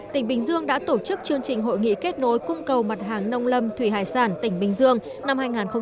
tỉnh bình dương đã tổ chức chương trình hội nghị kết nối cung cầu mặt hàng nông lâm thủy hải sản tỉnh bình dương năm hai nghìn một mươi chín